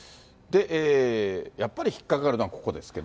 やっぱり引っ掛かるのはここですけど。